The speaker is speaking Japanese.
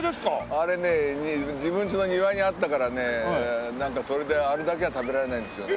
あれね自分んちの庭にあったからねなんかそれであれだけは食べられないんですよね。